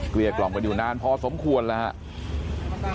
เรียกกล่อมกันอยู่นานพอสมควรแล้วครับ